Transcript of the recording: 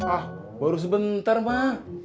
ah baru sebentar mak